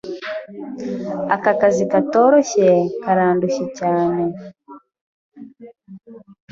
Aka kazi katoroshye karandushye cyane.